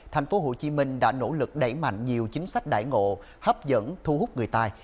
tp hcm đã nỗ lực đẩy mạnh nhiều chính sách đại ngộ hấp dẫn thu hút người tài